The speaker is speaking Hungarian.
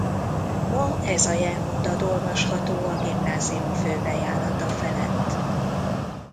Ma ez a jelmondat olvasható a gimnázium főbejárata felett.